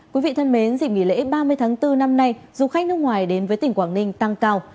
dịp nghỉ lễ ba mươi tháng bốn năm nay du khách nước ngoài đến với tỉnh quảng ninh tăng cao